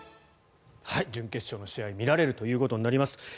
準決勝の試合見られるということになります。